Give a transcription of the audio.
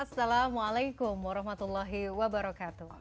assalamualaikum warahmatullahi wabarakatuh